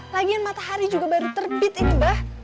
lagian matahari juga baru terbit ya tuh abah